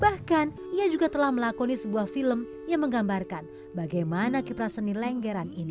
bahkan ia juga telah melakoni sebuah film yang menggambarkan bagaimana kipra seni lenggeran ini